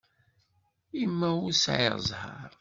I ma ur sɛiɣ ẓẓher?